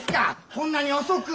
こんなに遅く。